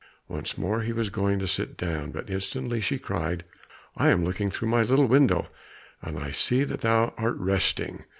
Once more he was going to sit down, but instantly she cried, "I am looking through my little window, and I see that thou art resting.